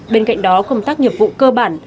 bên cạnh đó công tác nghiệp vụ cơ bản